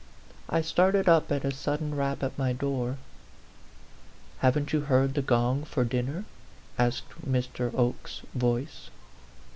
I started up at a sudden rap at my door. "Haven't you heard the gong for dinner?" asked Mr. Oke's voice.